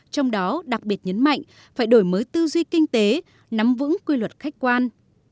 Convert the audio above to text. trong đó đặc biệt nhấn mạnh phải đổi mới tư duy kinh tế nắm vững quy luật khách quan